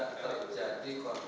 kita menurut pemimpin kami